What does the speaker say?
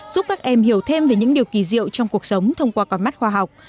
giúp các em hiểu thêm về những điều kỳ diệu trong cuộc sống thông qua con mắt khoa học